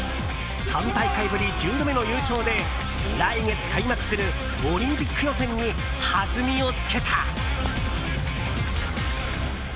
３大会ぶり１０度目の優勝で来月開幕するオリンピック予選に弾みをつけた。